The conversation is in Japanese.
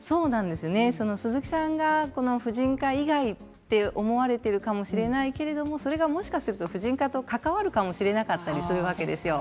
鈴木さんが婦人科以外と思われているかもしれないけれどそれが、もしかしたら婦人科と関わるかもしれなかったりするわけですね。